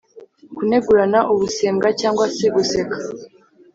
kunegurana ubusembwa cyangwa se guseka